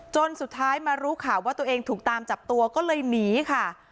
จนสุดท้ายมารู้ข่าวว่าตัวเองถูกตามจับตัวก็เลยหนีค่ะ